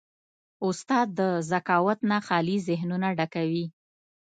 استاد د ذکاوت نه خالي ذهنونه ډکوي.